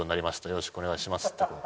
「よろしくお願いします」って。